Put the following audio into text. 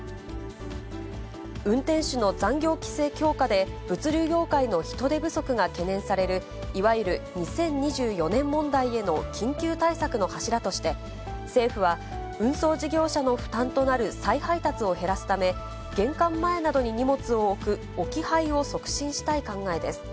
運転手の残業規制強化で、物流業界の人手不足が懸念されるいわゆる２０２４年問題への緊急対策の柱として、政府は運送事業者の負担となる再配達を減らすため、玄関前などに荷物を置く、置き配を促進したい考えです。